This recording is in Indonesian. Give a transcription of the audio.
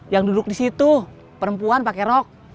yang duduk di situ perempuan pakai rok